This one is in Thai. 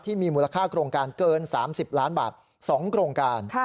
มูลค่าโครงการเกิน๓๐ล้านบาท๒โครงการ